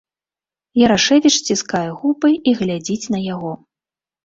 Ярашэвіч сціскае губы і глядзіць на яго.